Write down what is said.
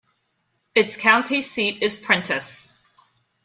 Its county seat is Prentiss.